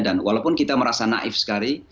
dan walaupun kita merasa naif sekali